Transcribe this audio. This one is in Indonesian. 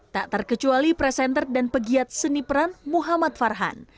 tak terkecuali presenter dan pegiat seni peran muhammad farhan